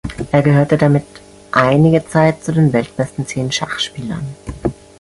Er gehörte damit einige Zeit zu den weltbesten zehn Schachspielern.